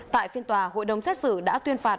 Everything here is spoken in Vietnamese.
tại phiên tòa hội đồng xét xử đã tuyên phạt